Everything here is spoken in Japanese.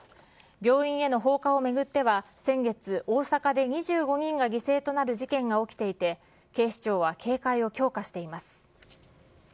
病院への放火を巡っては先月、大阪で２５人が犠牲となる事件が起きていて、警視庁は警戒を強化しています。